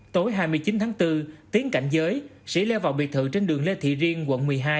tối hai mươi chín tháng bốn tiến cảnh giới sĩ leo vào biệt thự trên đường lê thị riêng quận một mươi hai